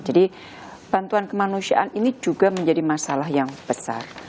jadi bantuan kemanusiaan ini juga menjadi masalah yang besar